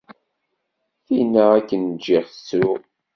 Tinna akken n-ǧǧiɣ tettru.